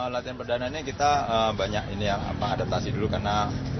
latihan pertama ini kita banyak mengadaptasi dulu karena